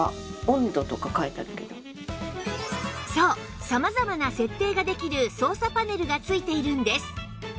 そう様々な設定ができる操作パネルが付いているんです